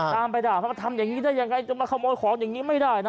ไปด่าเขามาทำอย่างนี้ได้ยังไงจะมาขโมยของอย่างนี้ไม่ได้นะ